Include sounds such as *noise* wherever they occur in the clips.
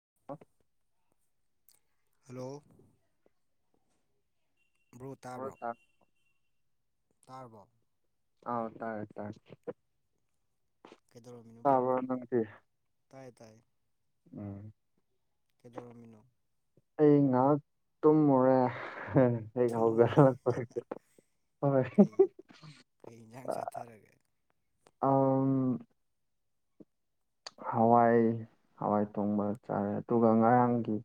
*unintelligible* Hello bro ꯇꯥꯕ꯭ꯔꯣ ꯇꯥꯔꯕꯣ ꯑꯧ ꯇꯥꯔꯦ ꯇꯥꯔꯦ ꯀꯩꯗꯧꯔꯝꯃꯤꯅꯣꯕ꯭ꯔꯣ ꯇꯥꯕ꯭ꯔꯣ ꯅꯪꯗꯤ ꯇꯥꯏꯌꯦ ꯇꯥꯏꯌꯦ ꯎꯝ ꯀꯩꯗꯧꯔꯝꯃꯤꯅꯣ ꯑꯩ ꯉꯥꯏꯍꯥꯛ ꯇꯨꯝꯃꯨꯔꯦ ꯇꯨꯝꯃꯨꯔꯦ ꯀꯩ *unintelligible* ꯀꯩ ꯏꯟꯖꯥꯡ ꯆꯥꯊꯔꯒꯦ ꯎꯝ ꯍꯋꯥꯏ ꯍꯋꯥꯏ ꯊꯣꯡꯕ ꯆꯥꯔꯦ ꯑꯗꯨꯒ ꯉꯔꯥꯡꯒꯤ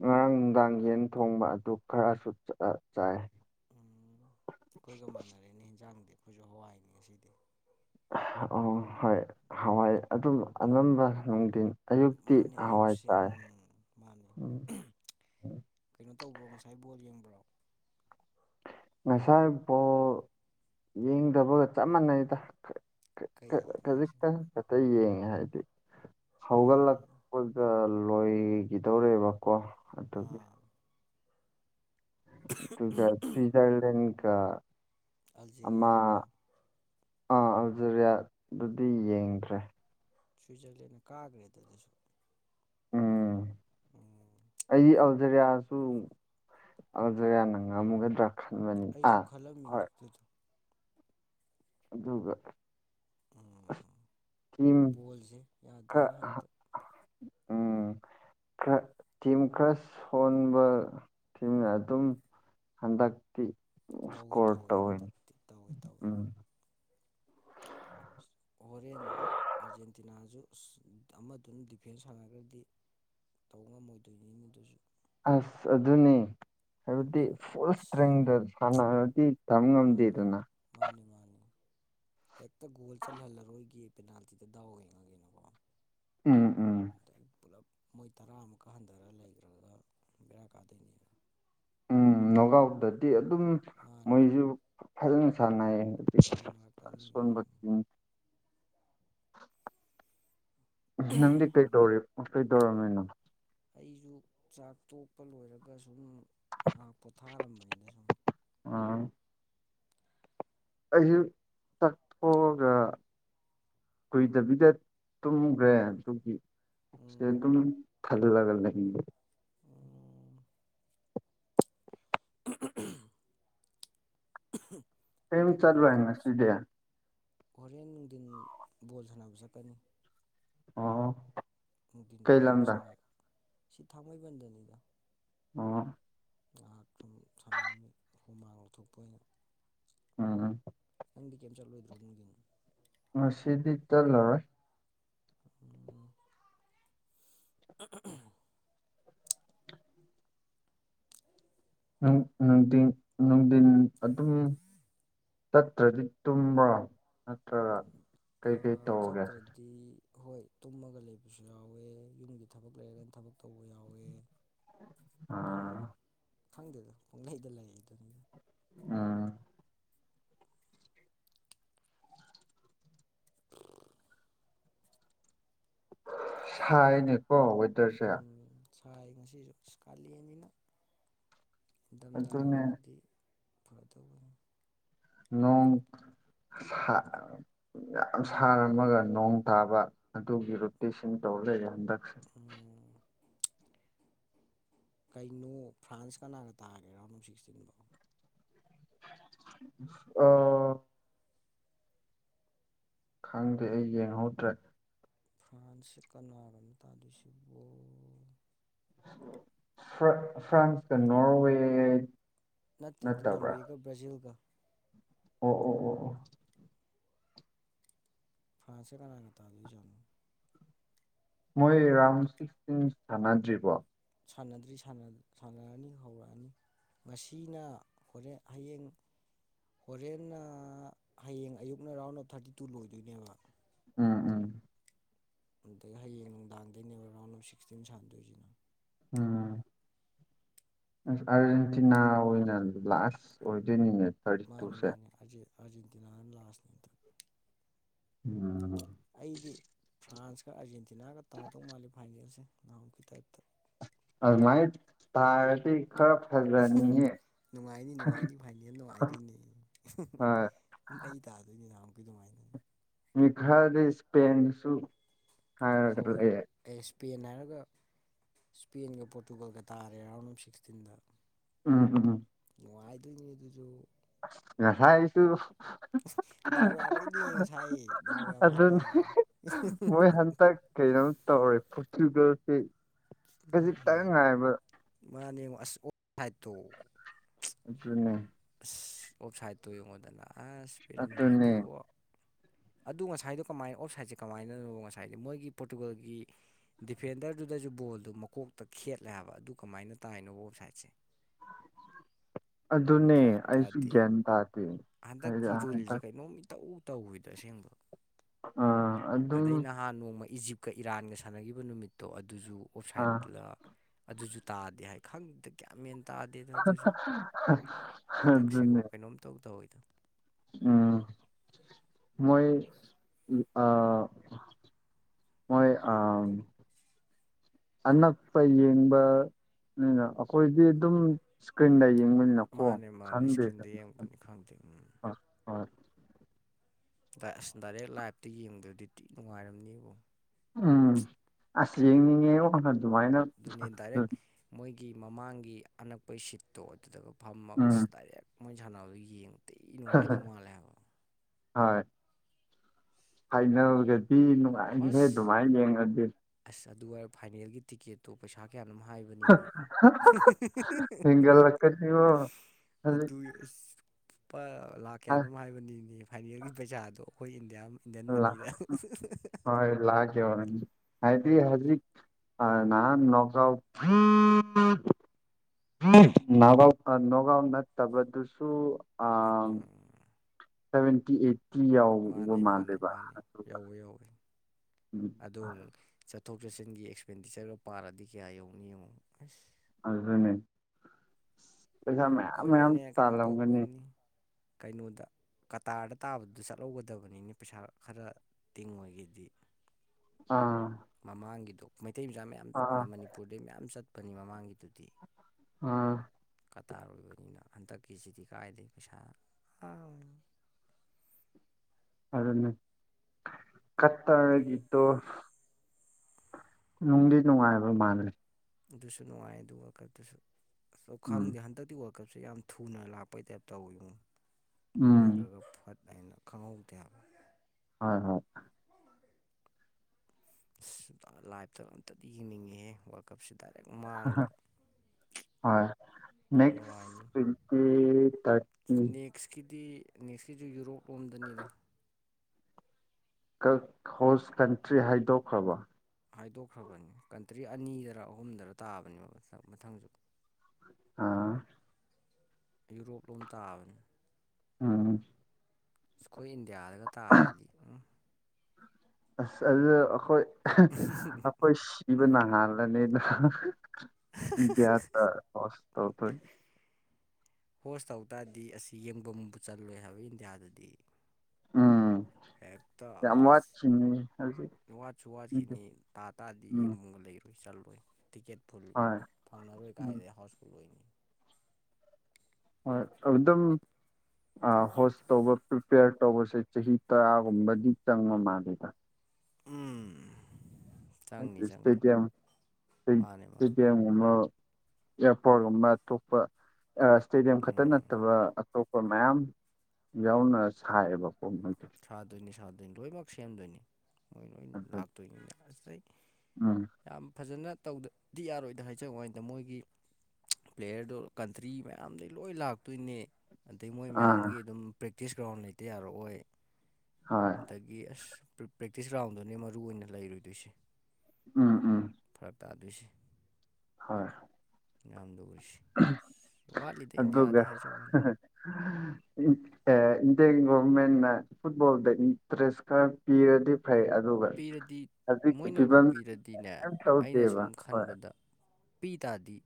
ꯉꯔꯥꯡ ꯅꯨꯡꯗꯥꯡ ꯌꯦꯟ ꯊꯣꯡꯕ ꯑꯗꯨ ꯈꯔꯁꯨ ꯆꯥꯏ ꯎꯝ ꯑꯩꯈꯣꯏꯒ ꯃꯥꯟꯅꯔꯦꯅꯦ ꯍꯟꯖꯥꯡꯗꯤ ꯑꯩꯈꯣꯏꯁꯨ ꯍꯋꯥꯏꯅꯤ ꯉꯁꯤꯗꯤ ꯑꯣ ꯍꯣꯏ ꯍꯋꯥꯏ ꯑꯗꯨꯝ ꯑꯅꯝꯕ ꯅꯨꯡꯗꯤꯟ ꯑꯌꯨꯛꯇꯤ ꯃꯥꯅꯦ ꯍꯋꯥꯏ ꯑꯌꯨꯛꯁꯦ ꯆꯥꯏ ꯎꯝ ꯃꯥꯅꯦ ꯎꯝ ꯀꯩꯅꯣ ꯇꯧꯕ꯭ꯔꯣ ꯉꯁꯥꯏ ꯕꯣꯜ ꯌꯦꯡꯕ꯭ꯔꯣ ꯉꯁꯥꯏ ꯕꯣꯜ ꯌꯦꯡꯗꯕꯒ ꯆꯞ ꯃꯥꯟꯅꯩꯗ ꯈ ꯈ ꯀꯩꯅꯣ ꯍꯥꯏꯁꯦ ꯈꯖꯤꯛꯇꯪ ꯈꯛꯇ ꯌꯦꯡꯉꯦ ꯍꯥꯏꯗꯤ ꯎꯝ ꯍꯧꯒꯠꯂꯛꯄꯒ ꯂꯣꯏꯒꯤꯗꯧꯔꯦꯕ ꯀꯣ ꯑꯗꯨꯒꯤ ꯑꯥ ꯑꯗꯨꯒ ꯁ꯭ꯋꯤꯖꯔꯂꯦꯟꯒ ꯑꯃ ꯑꯜꯖꯦꯔꯤꯌꯥꯒ ꯑꯜꯖ꯭ꯔꯤꯌꯥꯗꯨꯗꯤ ꯌꯦꯡꯗ꯭ꯔꯦ ꯁ꯭ꯋꯤꯖꯔꯂꯦꯟꯅ ꯀꯥꯒ꯭ꯔꯦ ꯑꯗꯨꯗꯁꯨ ꯎꯝ ꯑꯩ ꯑꯜꯖ꯭ꯔꯤꯌꯥꯁꯨ ꯑꯜꯖ꯭ꯔꯤꯌꯥꯅ ꯉꯝꯒꯗ꯭ꯔꯥ ꯈꯟꯕꯅꯤ ꯑꯩꯁꯨ ꯑꯥ ꯈꯜꯂꯝꯃꯤꯅꯦ ꯍꯣꯏ ꯑꯗꯨꯗꯣ ꯑꯗꯨꯒ ꯑꯁ ꯎꯝ ꯇꯤꯝ ꯕꯣꯜꯖꯦ ꯌꯥꯗꯦꯅꯦ ꯈꯔ ꯍꯦꯛꯇ ꯎꯝ ꯈꯔ ꯇꯤꯝ ꯈꯔ ꯁꯣꯟꯕ ꯇꯤꯝꯅ ꯑꯗꯨꯝ ꯍꯟꯗꯛꯇꯤ ꯇꯧꯋꯦ ꯁꯀꯣꯔ ꯇꯧꯋꯦ ꯇꯧꯋꯦꯅꯦ ꯍꯟꯗꯛꯇꯤ ꯇꯧꯋꯦ ꯇꯧꯋꯦ ꯎꯝ ꯍꯣꯔꯦꯟ ꯑꯥꯔꯖꯦꯟꯇꯤꯅꯥꯖꯨ ꯑꯃꯗꯨꯅ ꯗꯤꯐꯦꯟꯁ ꯁꯥꯟꯅꯒ꯭ꯔꯥꯗꯤ ꯇꯧꯕ ꯉꯝꯃꯣꯏꯗꯣꯏꯅꯤꯅꯦ ꯑꯗꯨꯁꯨ ꯑꯁ ꯑꯗꯨꯅꯦ ꯍꯥꯏꯕꯗꯤ ꯐꯨꯜ ꯑꯗꯨꯁꯨ ꯏꯁꯇ꯭ꯔꯦꯡꯗ ꯁꯥꯟꯅꯔꯗꯤ ꯇꯝ ꯃꯥꯅꯦ ꯉꯝꯗꯦꯗꯅ ꯃꯥꯅꯦ ꯃꯥꯅꯦ ꯍꯦꯛꯇ ꯒꯣꯜ ꯆꯜꯍꯜꯂꯔꯣꯏꯒꯦ ꯄꯦꯅꯥꯜꯇꯤꯗ ꯗꯥꯎ ꯌꯦꯡꯉꯒꯦꯅꯀꯣ ꯎꯝ ꯎꯝ ꯄꯨꯜꯂꯞ ꯃꯣꯏ ꯇꯔꯥꯃꯨꯛꯀ ꯍꯟꯊꯔꯒ ꯂꯩꯒ꯭ꯔꯥꯒ ꯕꯦꯔꯥ ꯀꯥꯗꯣꯏꯅꯦꯅ ꯎꯝ ꯅꯣꯛꯑꯥꯎꯗꯗꯤ ꯑꯗꯨꯝ ꯃꯥꯅꯦ ꯃꯣꯏꯖꯨ ꯐꯥꯖꯅ ꯁꯥꯟꯅꯩ ꯁꯥꯟꯅꯔꯛꯀꯅꯤ ꯑꯁꯣꯟꯕ ꯇꯤꯝ ꯅꯪꯗꯤ ꯀꯩ ꯇꯧꯔꯤ ꯀꯩ ꯇꯧꯔꯝꯃꯤꯅꯣ ꯑꯩꯖꯄ ꯆꯥꯛ ꯇꯣꯛꯄ ꯂꯣꯏꯔꯒ ꯁꯨꯝ ꯉꯥꯏꯍꯥꯛ ꯄꯣꯊꯥꯔꯝꯕꯅꯤꯗ ꯁꯨꯝ ꯎꯝ ꯑꯩꯖꯨ ꯆꯥꯛ ꯊꯣꯛꯑꯒ ꯀꯨꯏꯗꯕꯤꯗ ꯇꯨꯝꯒ꯭ꯔꯦ ꯑꯗꯨꯒꯤ ꯄꯨꯛꯁꯦ ꯎꯝ ꯑꯗꯨꯨꯝ ꯊꯜꯂꯒ ꯂꯩꯕ ꯑꯣ *unintelligible* *inaudible* ꯀꯩꯝ ꯍꯟꯗꯛꯀꯤ ꯋꯥꯔꯜ ꯆꯠꯂꯣꯏ ꯀꯞ ꯉꯁꯤꯗꯤ ꯍꯣꯔꯦꯟ ꯅꯨꯡꯊꯤꯟ ꯕꯣꯜ ꯁꯥꯟꯅꯕ ꯆꯠꯀꯅꯤ ꯑꯣ ꯅꯨꯡꯊꯤꯟ ꯀꯩ ꯉꯥꯏꯍꯥꯛ ꯂꯝꯗ ꯁꯥꯅ ꯁꯤ ꯊꯥꯡꯃꯩꯕꯟꯗꯅꯤꯗ ꯑꯣ ꯉꯥꯏꯍꯥꯛ ꯁꯨꯝ ꯁꯥꯟꯅꯧꯅꯤ ꯍꯨꯃꯥꯡ ꯂꯧꯊꯣꯛꯄ ꯑꯣꯏꯅ ꯎꯝ ꯅꯪꯗꯤ ꯀꯩꯝ ꯆꯠꯂꯣꯏꯗ꯭ꯔꯣ ꯅꯨꯡꯗꯤꯟ ꯉꯁꯤꯗꯤ ꯆꯠꯂꯔꯣꯏ ꯎꯝ ꯅꯨꯡꯊꯤꯟ ꯅꯨꯡꯗꯤꯟ ꯅꯨꯡꯗꯤꯟ ꯑꯗꯨꯝ ꯆꯠꯇ꯭ꯔꯗꯤ ꯇꯨꯝꯕ꯭ꯔꯣ ꯅꯠꯇ꯭ꯔꯒ ꯀꯩꯀꯩ ꯇꯧꯒꯦ ꯗꯤ ꯍꯣꯏ ꯇꯨꯝꯃꯒ ꯂꯩꯕꯁꯨ ꯌꯥꯎꯋꯦ ꯌꯨꯝꯒꯤ ꯊꯕꯛ ꯂꯩꯔꯒꯅ ꯊꯕꯛ ꯇꯧꯕ ꯌꯥꯎꯋꯦ ꯑ ꯑꯗꯨꯝ ꯈꯪꯗꯦꯗ ꯄꯨꯡꯂꯩꯗ ꯂꯩꯌꯦꯗꯨꯅꯤꯗ ꯎꯝ ꯁꯥꯏꯅꯦꯀꯣ ꯋꯦꯗꯔꯁꯦ ꯎꯝ ꯁꯥꯏ ꯉꯁꯤꯁꯨ ꯑꯁ ꯀꯥꯂꯦꯟꯅꯤꯅ ꯏꯪꯗꯝꯗꯥ ꯑꯗꯨꯅꯦ ꯌꯧꯔꯛꯑꯗꯤ ꯐꯗꯧꯕꯅꯤ ꯅꯣꯡ *unintelligible* ꯌꯥꯝ ꯁꯥꯔꯝꯃꯒ ꯅꯣꯡ ꯇꯥꯕ ꯑꯗꯨꯒꯤ ꯔꯨꯇꯦꯁꯟ ꯇꯧꯔ ꯂꯩꯔꯦ ꯍꯟꯗꯛꯁꯦ ꯎꯝ ꯀꯩꯅꯣ ꯐ꯭ꯔꯥꯟꯁ ꯀꯅꯥꯒ ꯇꯥꯒꯔꯦ ꯔꯥꯎꯟ ꯑꯣꯐ ꯁꯤꯛꯁꯇꯤꯟ ꯕꯣ ꯑꯁ ꯑ ꯈꯪꯗꯦ ꯑꯩ ꯌꯦꯡꯍꯧꯗ꯭ꯔꯦ ꯐ꯭ꯔꯥꯟꯁꯁꯦ ꯀꯅꯥꯒꯅꯣ ꯇꯥꯗꯣꯏꯁꯤꯕꯣ ꯐ꯭ꯔꯥ ꯐ꯭ꯔꯥꯟꯁ ꯀ ꯅꯣꯔꯋꯦ ꯅꯠꯇꯦ ꯅꯠꯇꯦ ꯅꯠꯇꯕ꯭ꯔꯥ ꯅꯣꯔꯋꯦꯒ ꯕ꯭ꯔꯥꯖꯤꯜꯒ ꯑꯣ ꯑꯣ ꯑꯣ ꯑꯣ ꯐ꯭ꯔꯥꯟꯁꯦ ꯀꯅꯥꯒ ꯇꯥꯗꯣꯏꯖꯥꯥꯠꯅꯣ ꯃꯣꯏꯒꯤ ꯔꯥꯎꯟ ꯁꯤꯛꯁꯇꯤꯟ ꯁꯥꯟꯅꯗ꯭ꯔꯤꯕꯣ ꯁꯥꯟꯅꯗ꯭ꯔꯤ ꯁꯥꯟꯅ ꯁꯥꯟꯅꯔꯅꯤ ꯍꯧꯔꯛꯑꯅꯤ ꯉꯁꯤꯅ ꯍꯣꯔꯦꯟ ꯍꯌꯦꯡ ꯍꯣꯔꯦꯟꯅ ꯍꯌꯦꯡ ꯑꯌꯨꯛꯅ ꯔꯥꯎꯟ ꯑꯣꯐ ꯊꯥꯔꯇꯤ ꯇꯨ ꯂꯣꯏꯗꯣꯏꯅꯦꯕ ꯎꯝ ꯎꯝ ꯑꯗꯩ ꯍꯌꯦꯡ ꯅꯨꯡꯗꯥꯡꯗꯩꯅꯦꯕ ꯔꯥꯎꯟ ꯑꯣꯐ ꯁꯤꯛꯁꯇꯤꯟ ꯁꯥꯟꯅꯗꯣꯏꯁꯤꯅ ꯎꯝ ꯑꯁ ꯑꯥꯔꯖꯦꯟꯇꯤꯅꯥ ꯑꯣꯏꯅ ꯂꯥꯁ ꯑꯣꯏꯗꯣꯏꯅꯤꯅꯦ ꯊꯥꯔꯇꯤ ꯃꯥꯅꯦ ꯇꯨꯁꯦ ꯃꯥꯅꯦ ꯑꯥꯔꯖꯦꯟ ꯑꯥꯔꯖꯦꯟꯇꯤꯅꯥꯅ ꯂꯥꯁꯅꯤ ꯏꯇꯥꯎ ꯎꯝ ꯑꯩꯗꯤ ꯐ꯭ꯔꯥꯟꯁꯀ ꯑꯥꯔꯖꯦꯟꯇꯤꯅꯥꯒ ꯇꯥꯗꯧ ꯃꯥꯜꯂꯤ ꯐꯥꯏꯅꯦꯜꯁꯦ ꯅꯍꯥꯟꯃꯨꯛꯀꯤ ꯇꯥꯏꯞꯇ ꯑꯗꯨꯃꯥꯏ ꯇꯥꯔꯗꯤ *unintelligible* ꯎꯍꯨꯝ ꯍꯨꯝ ꯅꯨꯡꯉꯥꯏꯅꯤ ꯅꯨꯡꯉꯥꯏꯅꯤ ꯐꯥꯏꯅꯦꯜ ꯅꯨꯡꯉꯥꯏꯗꯣꯏꯅꯦ ꯎꯍꯨꯝ ꯍꯣꯏ ꯍꯨꯝ ꯃꯩ ꯇꯥꯗꯣꯏꯅꯦ ꯃꯍꯟꯃꯨꯛꯀꯤ ꯑꯗꯨꯃꯥꯏꯅꯥ ꯃꯤ ꯈꯥꯔꯗꯤ ꯏꯁꯄꯦꯟꯁꯨ ꯍꯥꯏꯔꯒ ꯍꯣꯏ ꯂꯩꯑꯦ ꯑꯦ ꯏꯁꯄꯦꯟ ꯍꯥꯏꯔꯒ ꯏꯁꯄꯦꯟꯒ ꯄꯣꯔꯇꯨꯒꯜꯒꯥ ꯇꯥꯔꯦ ꯔꯥꯎꯟ ꯑꯣꯐ ꯁꯤꯛꯁꯇꯤꯟꯗ ꯎꯝ ꯎꯝꯝ ꯅꯨꯡꯉꯥꯏꯗꯣꯏꯅꯤ ꯑꯗꯨꯖꯨ ꯑꯁ ꯉꯁꯥꯏꯁꯨ ꯎꯁ ꯗꯥꯎ ꯌꯥꯕꯩꯅꯦ ꯉꯁꯥꯏ ꯗꯥꯎ ꯌꯥꯕꯩꯅꯦ ꯑꯗꯨꯅ ꯏꯍꯨꯝ ꯍꯨꯝ ꯃꯣꯏ ꯍꯨꯝ ꯍꯟꯗꯛ ꯀꯩꯅꯣꯝ ꯇꯧꯔꯦ ꯄꯣꯔꯇꯨꯒꯜ ꯁꯦ ꯎꯝ ꯎꯝ ꯃꯥꯅꯦꯉꯣ ꯑꯁ ꯑꯣꯐ ꯁꯥꯏꯠꯇꯣ ꯑꯗꯨꯅꯦ ꯏꯁ ꯑꯣꯐꯁꯥꯏꯠꯇꯣ ꯌꯦꯡꯉꯣꯗꯅ ꯑꯁ ꯑꯗꯨꯅꯦ ꯄꯤꯔꯝꯗ꯭ꯔꯗꯤꯕꯣ ꯑꯗꯨ ꯉꯁꯥꯏꯗꯣ ꯀꯃꯥꯏꯅ ꯑꯣꯞꯁꯥꯏꯠꯁꯦ ꯀꯃꯥꯏꯅꯥꯅꯣꯕꯥ ꯉꯁꯥꯏꯗꯤ ꯃꯣꯏꯒꯤ ꯄꯣꯔꯇꯨꯒꯜꯒꯤ ꯗꯤꯐꯦꯟꯗꯔꯗꯨꯗꯖꯨ ꯕꯣꯜꯗꯣ ꯃꯀꯣꯛꯇ ꯈꯦꯠꯂꯦ ꯍꯥꯏꯕ ꯑꯗꯨ ꯀꯃꯥꯏꯅ ꯇꯥꯏꯅꯣꯕꯥ ꯑꯣꯐ ꯁꯥꯏꯠꯁꯦ ꯑꯗꯨꯅꯦ ꯒ꯭ꯌꯥꯟ ꯑꯩꯖꯨ ꯇꯥꯗꯦ ꯒ꯭ꯌꯥꯟ ꯇꯥꯗꯦ ꯍꯥꯏꯗꯤ ꯍꯟꯗꯛꯀꯤ ꯔꯨꯜꯖꯦ ꯍꯟꯗꯛ ꯀꯩꯅꯣꯝ ꯏꯇꯧ ꯇꯧꯏꯗ ꯑꯁꯦꯡꯕ ꯑꯥ ꯑꯗꯨꯝ ꯑꯗꯩ ꯅꯍꯥꯟ ꯅꯣꯡꯃꯥ ꯏꯖꯤꯞꯀꯥ ꯏꯔꯥꯟꯒ ꯁꯥꯟꯅꯒꯤꯕ ꯅꯨꯃꯤꯠꯇꯣ ꯑꯗꯨꯖꯨ ꯑꯣꯐ ꯑꯥ ꯁꯥꯏꯠꯇꯨꯗ ꯑꯗꯨꯖꯨ ꯇꯥꯗꯦ ꯍꯥꯏ ꯈꯪꯗꯦ ꯒ꯭ꯌꯥꯟ ꯃꯦꯟ ꯇꯥꯗꯦꯗ ꯑꯗꯨꯖꯨ ꯑꯗꯨꯅꯦ ꯍꯟꯗꯛꯁꯦꯕꯣ ꯀꯩꯅꯣꯝ ꯏꯇꯧ ꯇꯧꯏꯗ ꯎꯝ ꯃꯣꯏ ꯑꯥ ꯃꯣꯏ ꯑꯥ ꯑꯅꯛꯄ ꯌꯦꯡꯕ ꯅꯤꯅ ꯑꯩꯈꯣꯏꯗꯤ ꯑꯗꯨꯝ ꯏꯁꯀ꯭ꯔꯤꯟꯗ ꯌꯦꯡꯕꯅꯤꯅ ꯃꯥꯟꯅꯦ ꯃꯥꯟꯅꯦ ꯏꯁꯀ꯭ꯔꯤꯟꯗ ꯌꯦꯡꯕꯅꯤ ꯈꯪꯗꯦ ꯎꯝ ꯍꯣꯏ ꯗꯥꯏ ꯑꯁ ꯗꯥꯏꯔꯦꯛ ꯂꯥꯏꯞꯇ ꯌꯦꯡꯕꯗꯨꯗꯤ ꯊꯤ ꯅꯨꯡꯉꯥꯏꯔꯝꯅꯤꯕꯣ ꯎꯝ ꯑꯁ ꯌꯦꯡꯅꯤꯡꯉꯦ ꯑꯃꯨꯛꯀꯥ ꯍꯟ ꯑꯗꯨꯅꯦ ꯗꯥꯏꯔꯦꯛ ꯃꯣꯏꯒꯤ ꯃꯃꯥꯡꯒꯤ ꯑꯅꯛꯄ ꯁꯤꯠꯇꯣ ꯑꯗꯨꯗꯒ ꯐꯝꯃꯒ ꯑꯁ ꯎꯝ ꯗꯥꯏꯔꯦꯛ ꯃꯣꯏ ꯁꯥꯟꯅꯕꯗꯣ ꯌꯦꯡꯕ ꯊꯤ ꯅꯨꯡꯉꯥꯏꯗꯧ ꯃꯥꯜꯂꯦ ꯍꯥꯏꯕ ꯍꯣꯏ ꯍꯥꯏꯅꯕꯥꯒꯗꯤ ꯅꯨꯡꯉꯥꯏꯅꯤꯍꯦ ꯑꯁ ꯑꯗꯨꯃꯥꯏ ꯌꯦꯡꯉꯗꯤ ꯑꯁ ꯑꯗꯨ ꯍꯥꯏꯔ ꯐꯥꯏꯅꯦꯜꯒꯤ ꯇꯤꯀꯦꯠꯇꯣ ꯄꯩꯁꯥ ꯀꯌꯥꯅꯣꯝ ꯍꯥꯏꯕ ꯍꯥꯏꯕꯅꯤꯅꯦ ꯍꯦꯟꯒꯠꯂꯛꯀꯅꯤꯕꯣ *unintelligible* ꯍꯧꯖꯤꯛ ꯑꯗꯨ ꯏꯁ ꯂꯨꯄꯥ ꯂꯥꯛ ꯀꯌꯥꯅꯣꯝ ꯍꯥꯏꯕꯅꯤꯅꯦ ꯐꯥꯏꯅꯦꯜꯒꯤ ꯄꯩꯁꯥꯗꯣ ꯑꯩꯈꯣꯏ ꯏꯟꯗꯤꯌꯥ ꯃꯥ ꯏꯟꯗꯤꯌꯟ ꯃꯅꯤꯗ *unintelligible* ꯂꯛ ꯌꯧꯔꯅꯤ ꯍꯥꯏꯗꯤ ꯍꯖꯤꯛ ꯑ ꯅꯥꯍꯥꯟ ꯅꯣꯖꯎ *unintelligible* ꯅꯠꯇꯕꯗꯨꯁꯨ ꯑ ꯁꯚꯦꯟꯇꯤ ꯑꯏꯠꯇꯤ ꯌꯥꯎꯕ ꯃꯥꯜꯂꯦꯕ ꯑꯗꯨꯒ ꯑꯣ ꯌꯥꯎꯋꯦ ꯎꯝ ꯑꯗꯣ ꯑꯃꯨꯛ ꯆꯠꯊꯣꯛ ꯆꯠꯁꯤꯟꯒꯤ ꯑꯦꯛꯁꯄꯦꯟꯗꯤꯆꯔꯒ ꯄꯥꯔꯗꯤ ꯀꯌꯥ ꯌꯧꯅꯤ ꯌꯦꯡꯉꯣ ꯑꯃꯨꯛ ꯑꯦꯁ ꯑꯗꯨꯅꯦ ꯄꯩꯁꯥ ꯃꯌꯥꯝ ꯃꯌꯥꯝ ꯑꯩꯈꯣꯏꯅꯅꯦ ꯀꯩꯅꯣ ꯇꯥꯜꯂꯝꯒꯅꯤ ꯇꯧꯕꯩꯅꯤ ꯀꯩꯅꯣꯗ ꯀꯇꯥꯔꯗ ꯇꯥꯕꯗꯨ ꯆꯠꯍꯧꯒꯗꯕꯅꯤꯅꯦ ꯄꯩꯁꯥ ꯈꯔ ꯇꯤꯡꯉꯣꯏꯒꯦꯗꯤ ꯑꯥ ꯃꯃꯥꯡꯒꯤꯗꯣ ꯃꯩꯇꯩ ꯃꯆꯥ ꯃꯌꯥꯝ ꯑꯥ ꯃꯅꯤꯄꯨꯔꯗꯩ ꯃꯌꯥꯝ ꯆꯠꯄꯅꯤ ꯃꯃꯥꯡꯒꯤꯗꯨꯗꯤ꯫ ꯑꯥ ꯀꯇꯥꯔ ꯑꯣꯏꯕꯅꯤꯅ ꯍꯟꯗꯛꯀꯤꯁꯤꯗꯤ ꯀꯥꯏꯗꯒꯤ ꯄꯩꯁꯥ ꯌꯥꯝ ꯑꯗꯨꯅ ꯀꯠꯇꯔꯒꯤꯗꯣ꯫ ꯅꯨꯡꯗꯤ ꯅꯨꯡꯉꯥꯏꯕ ꯃꯥꯜꯂꯦ꯫ ꯑꯗꯨꯁꯨ ꯅꯨꯡꯉꯥꯏ ꯑꯗꯨ ꯋꯥꯜꯀꯞ ꯇꯨꯁꯨ ꯑꯗꯨ ꯎꯝ ꯈꯪꯗꯦ ꯍꯟꯗꯛꯇꯤ ꯋꯥꯜ ꯀꯞꯁꯦ ꯌꯥꯝ ꯊꯨꯅ ꯂꯥꯛꯄꯩ ꯇꯥꯏꯞ ꯇꯧꯋꯤꯉꯨ ꯎꯝ ꯂꯣꯏꯈ꯭ꯔꯒ ꯐꯠ ꯍꯥꯏꯅ ꯈꯪꯍꯧꯗꯦ ꯍꯥꯏꯕ꯫ ꯍꯣꯏ ꯍꯣꯏ ꯑꯁ ꯂꯥꯏꯞꯇ ꯑꯝꯇꯗꯤ ꯌꯦꯡꯅꯤꯡꯉꯦꯍꯦ ꯋꯥꯜꯀꯞꯁꯦ ꯗꯥꯏꯔꯦꯛ ꯃꯥꯡꯗ꯫ ꯍꯣꯏ ꯅꯦꯛꯁ ꯅꯨꯡꯉꯥꯏꯅꯤ *unintelligible* ꯅꯦꯛꯁꯀꯤꯗꯤ ꯅꯦꯛꯁꯀꯤꯁꯨ ꯌꯨꯔꯣꯞ ꯂꯣꯝꯗꯅꯤꯗ꯫ ꯍꯣꯁ ꯀꯟꯇ꯭ꯔꯤ ꯍꯥꯏꯗꯣꯛꯈ꯭ꯔꯕꯣ? ꯍꯥꯏꯗꯣꯛꯈ꯭ꯔꯕꯅꯤ ꯀꯟꯇ꯭ꯔꯤ ꯑꯅꯤꯗꯔ ꯑꯍꯨꯝꯗꯔ ꯇꯥꯕꯅꯦꯕ ꯃꯊꯪ ꯃꯊꯪꯁꯨ꯫ ꯑꯥ ꯌꯨꯔꯣꯞꯂꯣꯝ ꯇꯥꯕꯅꯤ꯫ ꯎꯝ ꯑꯩꯈꯣꯏ ꯏꯟꯗꯤꯌꯥꯗꯒ ꯇꯥꯔꯗꯤ ꯎꯝ꯫ ꯑꯁ ꯑꯗꯨ ꯑꯩꯈꯣꯏ ꯑꯩꯈꯣꯏ ꯁꯤꯕꯅ ꯍꯥꯜꯂꯅꯤꯗ꯫ ꯏꯟꯗꯤꯌꯥꯗ ꯍꯣꯁ ꯇꯧꯗꯣꯏꯅꯤ꯫ ꯍꯣꯁ ꯇꯧ ꯇꯥꯔꯗꯤ ꯑꯁꯤ ꯌꯦꯡꯕꯝꯕꯨ ꯆꯜꯂꯣꯏ ꯍꯥꯏꯕ ꯏꯟꯗꯤꯌꯥꯗꯗꯤ꯫ ꯎꯝ ꯍꯦꯛꯇ ꯌꯥꯝ ꯋꯥꯠꯈꯤꯅꯤ ꯍꯧꯖꯤꯛ ꯑꯁ ꯋꯥꯠꯁꯨ ꯃꯤꯗꯣ ꯋꯥꯠꯈꯤꯅꯤ ꯇꯥ ꯇꯥꯗꯤ ꯎꯝ ꯌꯦꯡꯕꯝꯒ ꯂꯩꯔꯣꯏ꯫ ꯆꯜꯂꯣꯏ ꯇꯤꯀꯦꯠ ꯐꯨꯜ ꯍꯣꯏ ꯐꯪꯅꯔꯣꯏ ꯎꯝ ꯀꯥꯏꯗꯩ ꯍꯥꯎꯁꯐꯨꯜ ꯑꯣꯏꯅꯤ꯫ ꯍꯣꯏ ꯑꯗꯨꯝ ꯍꯣꯁ ꯇꯧꯕ ꯄ꯭ꯔꯤꯄꯦꯌꯔ ꯇꯧꯕꯁꯦ ꯆꯍꯤ ꯇꯔꯥꯒꯨꯝꯕꯗꯤ ꯆꯪꯕ ꯃꯥꯜꯂꯦꯗ꯫ ꯎꯝ *unintelligible* ꯆꯪꯅꯤ ꯆꯪꯅꯤ ꯃꯥꯅꯦ ꯃꯥꯅꯦ *unintelligible* ꯌꯝꯒꯨꯝꯕ ꯏꯌꯥꯔꯄꯣꯔꯠꯒꯨꯝꯕ ꯑꯇꯣꯞꯄ ꯏꯁꯇꯦꯗꯤꯌꯝ ꯈꯛꯇ ꯅꯠꯇꯕ ꯑꯇꯣꯞꯄ ꯃꯌꯥꯝ ꯌꯥꯎꯅ ꯁꯥꯏꯌꯦꯕꯀꯣ ꯃꯣꯏꯗꯤ꯫ ꯁꯥꯗꯣꯏꯅꯤ ꯁꯥꯗꯣꯏꯅꯤ ꯂꯣꯏꯅꯃꯛ ꯁꯦꯝꯗꯣꯏꯅꯤ ꯃꯣꯏ ꯂꯣꯏ ꯑꯗꯨ ꯂꯥꯛꯇꯣꯏꯅꯤ ꯑꯇꯩ ꯎꯝ ꯌꯥꯝ ꯐꯖꯅ ꯇꯧꯗꯗꯤ ꯌꯥꯔꯣꯏꯗ ꯍꯥꯏꯖꯋꯥꯅꯤꯗ ꯃꯣꯏꯒꯤ ꯄ꯭ꯂꯦꯌꯔꯗꯣ ꯀꯟꯇ꯭ꯔꯤ ꯃꯌꯥꯝꯗꯩ ꯂꯣꯏ ꯂꯥꯛꯇꯣꯏꯅꯦ꯫ ꯑꯗꯩ ꯃꯣꯏ ꯑꯥ ꯃꯌꯥꯝꯒꯤ ꯑꯗꯨꯝ ꯄ꯭ꯔꯦꯛꯇꯤꯁ ꯒ꯭ꯔꯥꯎꯟ ꯂꯩꯇ ꯌꯥꯔꯛꯑꯣꯏ꯫ ꯍꯣꯏ ꯑꯗꯒꯤ ꯑꯁ ꯄ꯭ꯔꯦꯛꯇꯤꯁ ꯒ꯭ꯔꯥꯎꯟꯗꯨꯅꯦ ꯃꯔꯨ ꯑꯣꯏꯅ ꯂꯩꯔꯣꯏꯗꯣꯏꯁꯦ꯫ ꯎꯝ ꯎꯝ ꯐꯔꯛ ꯇꯥꯗꯣꯏꯁꯤ꯫ ꯍꯣꯏ ꯌꯥꯝ ꯂꯔꯤꯁꯦ ꯋꯥꯠꯂꯤꯗ ꯏꯟꯗꯤꯌꯥꯗꯤ ꯍꯥꯏꯖꯕꯋꯥꯅꯤ꯫ ꯏꯟꯗꯤꯌꯥꯒꯤ ꯒꯣꯕꯔꯃꯦꯟꯅ ꯐꯨꯠꯕꯣꯜꯗ ꯏꯟꯇ꯭ꯔꯦꯁ ꯀꯥ ꯄꯤꯔꯗꯤ ꯐꯩ ꯑꯗꯨꯒ ꯄꯤꯔꯗꯤ ꯍꯧꯖꯤꯛꯀꯤ ꯃꯣꯏꯅꯕꯨ ꯐꯤꯕꯝꯗ ꯄꯤꯔꯗꯤꯅꯦ ꯀꯩꯝ ꯑꯩꯅ ꯇꯧꯗꯦꯕ ꯁꯨꯝ ꯍꯣꯏ ꯈꯟꯕꯗ, ꯄꯤ ꯇꯥꯔꯗꯤ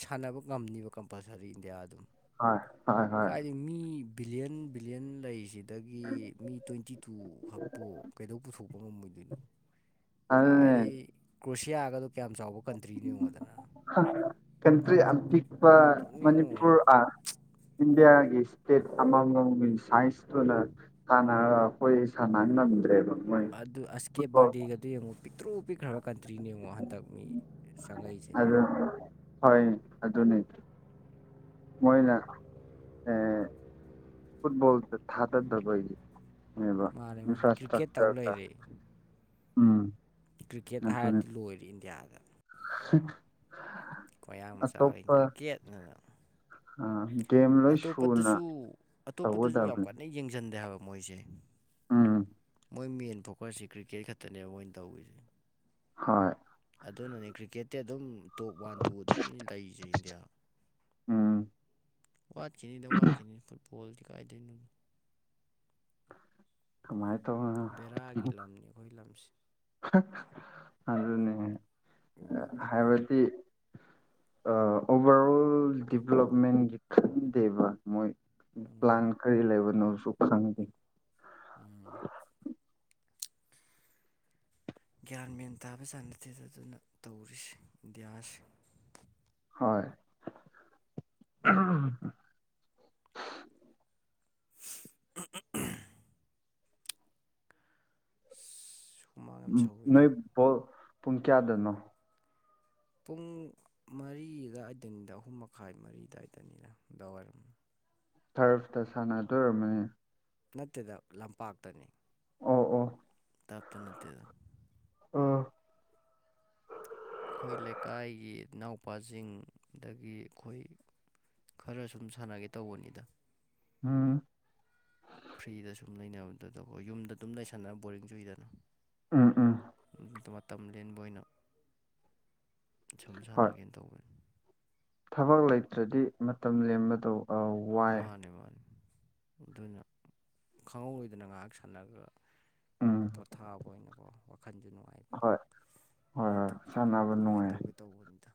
ꯁꯥꯟꯅꯕ ꯉꯝꯅꯤꯕ ꯀꯝꯄꯜꯁꯔꯤ ꯏꯟꯗꯤꯌꯥ ꯑꯗꯨꯝ꯫ ꯍꯣꯏ ꯍꯣꯏ ꯍꯣꯏ꯫ ꯀꯥꯏꯗꯒꯤ ꯃꯤ ꯕꯤꯂꯤꯌꯟ ꯕꯤꯂꯤꯌꯟ ꯂꯩꯁꯤꯗꯒꯤ ꯃꯤ ꯇ꯭ꯋꯦꯟꯇꯤ ꯇꯨ ꯈꯛꯄꯨ ꯀꯩꯗꯧ ꯄꯨꯊꯣꯛ ꯄꯣꯉꯝ ꯃꫭꯏꯗꯩꯅꫭ ꯑꯗꯨꯅꯦ ꯀꯥꯏꯗꯒꯤ ꯀ꯭ꯔꯨꯁꯤꯌꯥꯒꯗꫭ ꯀꯌꯥꯝ ꯆꯥꯎꯕ ꯀꯟꯇ꯭ꯔꯤꯅꯤ ꯌꯦꯡꯉꯣꯗꯅ ꯀꯟꯇ꯭ꯔꯤ ꯄꯤꯛꯄ ꯑꯗꯨꯅꯦ ꯌꯦꯡꯉꯣ ꯃꯅꯤꯄꯨꯔ ꯑ ꯏꯟꯗꯤꯌꯥꯒꯤ ꯏꯁꯇꯦꯠ ꯑꯃꯃꯝꯒꯤ ꯁꯥꯏꯟꯁ ꯑꯗꯨꯅ ꯍꯥꯟꯅꯥ ꯑꯩꯈꯣꯏ ꯁꯥꯟꯅ ꯉꯝꯗ꯭ꯔꯦꯕ ꯃꯣꯏ ꯑꯗꯨ ꯑꯁꯀꯦꯄ ꯐꯨꯠꯕꯣꯜ ꯕꯔꯗꯦ ꯑꯗꯨ ꯌꯦꯡꯉꯨ ꯄꯤꯛꯇꯨꯔꯨ ꯄꯤꯛ ꯈꯔꯥꯕ ꯀꯟꯇ꯭ꯔꯤꯅꯦꯡꯉꯣ ꯍꯟꯗꯛ ꯃꯤ ꯆꯪꯉꯥꯛꯏꯁꯦ ꯍꯣꯏꯅꯦ ꯑꯗꯨꯅꯤ ꯃꯣꯏꯅ ꯑꯦ ꯐꯨꯠꯕꯣꯜꯗ ꯊꯥꯗꯗꯕꯒꯤ ꯕ ꯃꯥꯅꯦ ꯃꯥꯅꯦ ꯀ꯭ꯔꯤꯀꯦꯠ ꯏꯟꯐ꯭ꯔꯥꯁꯥꯁꯇ꯭ꯔꯛꯆꯔ ꯇꯧ ꯀ ꯂꯩꯔꯦ ꯎꯝ ꯀ꯭ꯔꯤꯀꯦꯠ ꯑꯗꯨꯅꯤ ꯍꯥꯏꯔꯗꯤ ꯂꯣꯏꯔꯦ ꯏꯟꯗꯤꯌꯥꯗꯥ *inaudible* ꯃꯌꯥꯡ ꯃꯆꯥꯈꯩ ꯀ꯭ꯔꯤꯀꯦꯠꯅꯅ ꯑꯥ ꯃꯤ ꯑꯇꯣꯞꯄꯗꯁꯨ ꯑꯇꯣꯞꯄꯗꯁꯨ ꯌꯥꯝ ꯇꯧꯒꯗꯕꯅꯤ ꯀꯟꯅ ꯌꯦꯡꯁꯤꯟꯗꯦ ꯍꯥꯏꯕ ꯃꯣꯏꯁꯦ ꯎꯝ ꯃꯣꯏ ꯃꯦꯟ ꯐꯣꯀꯁꯁꯤ ꯀ꯭ꯔꯤꯛꯀꯦꯠ ꯈꯛꯇꯅꯦꯕ ꯃꯣꯏꯅ ꯇꯧꯔꯤꯁꯦ ꯍꯣꯏ ꯑꯗꯨꯅꯅꯦ ꯀ꯭ꯔꯤꯛꯀꯦꯠꯇꯤ ꯑꯗꯨꯝ ꯇꯣꯞ ꯋꯥꯟ ꯇꯨ ꯑꯗꯨꯝ ꯂꯩꯁꯦ ꯏꯟꯗꯤꯌꯥ ꯎꯝ꯫ ꯋꯥꯠꯈꯤꯅꯤꯗ ꯋꯥꯠꯈꯤꯅꯤ ꯐꯨꯠꯕꯣꯜꯗꯤ ꯀꯥꯏꯗꯣꯏꯅꯣꯗꯣ ꯀꯃꯥꯏ ꯇꯧꯕꯅꫭ ꯕꯦꯔꯥꯒꯤ ꯂꯝꯅꯤ ꯑꯩꯈꯣꯏ ꯂꯝꯁꯦ ꯑꯗꯨꯅꯦ ꯍꯥꯏꯕꯗꯤ ꯑꯣꯚꯔ ꯑꯣꯜ ꯗꯤꯕꯂꯞꯃꯦꯟꯒꯤ ꯈꯟꯗꯦꯕ ꯃꯣꯏ ꯄ꯭ꯂꯥꯟ ꯎꯝ ꯀꯔꯤ ꯂꯩꯕꯅꯣꯁꯨ ꯈꯪꯗꯦ ꯎꯝ꯫ ꯒ꯭ꯌꯥꯟ ꯃꯦꯟ ꯇꯥꯕ ꯖꯥꯠ ꯅꯠꯇꯦꯗ ꯆꯥꯅꯗꯦ ꯑꯗꯨꯅ ꯇꯧꯔꯤꯁꯦ ꯏꯟꯗꯤꯌꯥꯁꯦ ꯍꯣꯏ *inaudible* *inaudible* ꯎꯝ ꯅꯣꯏ ꯁꯧꯋꯤꯗ ꯕꫭꯜ ꯄꯨꯡ ꯀꯌꯥꯗꯅꯣ ꯄꯨꯡ ꯃꯔꯤ ꯑꯗꯥꯏꯗꯅꯤꯗ ꯑꯍꯨꯝ ꯃꯈꯥꯏ ꯃꯔꯤ ꯑꯗꯥꯏꯗꯅꯤꯗ ꯅꯨꯡꯗꯥꯡꯋꯥꯏꯔꯝ ꯇꯔꯞꯇ ꯁꯥꯟꯅꯗꯣ ꯑꫭꯏꯔꯝꯃꯥꯅꯤ ꯅꯠꯇꯦꯗ ꯂꯝꯄꯥꯛꯇꯅꯤ ꯑꯣ ꯑꯣ ꯇꯥꯞꯇ ꯅꯠꯇꯦꯗ ꯑꯥ ꯑꯩꯈꯣꯏ ꯂꯩꯀꯥꯏꯒꯤ ꯏꯅꯥꯎꯄꯥꯁꯤꯡ ꯑꯗꯥꯒꯤ ꯑꯩꯈꯣꯏ ꯈꯔ ꯁꯨꯝ ꯁꯥꯟꯅꯒꯦ ꯇꯧꯕꯅꯤꯗ ꯎꯝ꯫ ꯐ꯭ꯔꯤꯗ ꯁꯨꯝ ꯂꯩꯅꯕꯗꯨꯗꯀꯣ ꯌꯨꯝꯗ ꯑꯗꯨꯝ ꯂꯩꯁꯥꯟꯅꯔ ꯕꯣꯔꯤꯡ ꯆꯨꯏꯗꯅ ꯎꯝ ꯎꯝ ꯑꯗꯨꯗꫭ ꯃꯇꯝ ꯂꯦꯟꯕ ꯑꯣꯏꯅ ꯁꯨꯝ ꯍꯣꯏ ꯁꯥꯟꯅꯒꯦꯅ ꯇꯧꯕꯅꯤ ꯊꯕꯛ ꯂꯩꯇ꯭ꯔꯗꯤ ꯃꯇꯝ ꯂꯦꯝꯕꯗꫭ ꯑꯥꯎ ꯃꯥꯅꯤ ꯃꯥꯅꯤ ꯑꯗꯨꯅ ꯈꯪꯍꯧꯔꯣꯏꯗꯅ ꯉꯥꯏꯍꯥꯛ ꯁꯥꯟꯅꯔꯒ ꯎꯝ ꯄꯣꯊꯥꯕ ꯑꯣꯏꯅꯀꯣ ꯋꯥꯈꯟꯖꯨ ꯅꯨꯡꯉꯥꯏꯕ ꯍꯣꯏ ꯍꯣꯏ ꯍꯣꯏ ꯑꯗꯨꯒꯤ ꯁꯥꯟꯅꯕ ꯑꯗꯨꯃꯥꯏꯟ ꯅꯨꯡꯉꯥꯏ ꯇꯧꯒꯦ ꯇꯧꯕꯅꯤꯗ